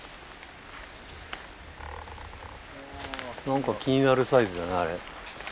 何か気になるサイズだなあれ。